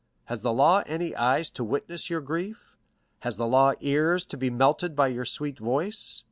Has the law any eyes to witness your grief? Has the law ears to be melted by your sweet voice?